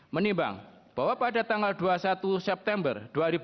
menimbang bahwa pada tanggal dua puluh satu september dua ribu dua puluh